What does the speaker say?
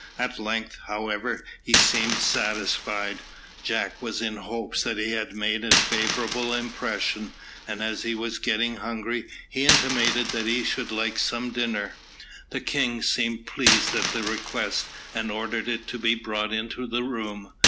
At length, however, he seemed satisfied. Jack was in hopes that he had made a favourable impression, and as he was getting hungry, he intimated that he should like some dinner. The king seemed pleased at the request, and ordered it to be brought into the room.